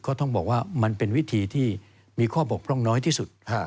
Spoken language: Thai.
ก็ต้องบอกว่ามันเป็นวิธีที่มีข้อบกพร่องน้อยที่สุด